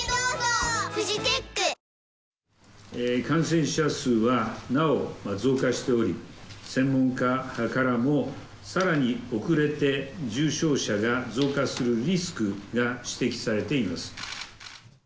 感染者数はなお増加しており、専門家からもさらに遅れて重症者が増加するリスクが指摘されています。